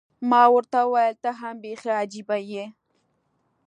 ما ورته وویل، ته هم بیخي عجيبه یې.